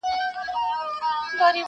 چا چي کړي پر مظلوم باندي ظلمونه؛